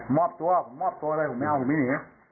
มอบตัวผมมอบตัวเลยผมไม่เอาผมไม่หนี